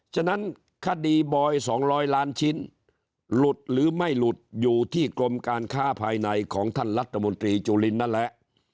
ฉะนั้นคดีบอย๒๐๐ล้านชิ้นหลุดหรือไม่หลุดอยู่ที่กรมการค้าภายในของท่านรัฐมนตรีจุลินนั่นแหละ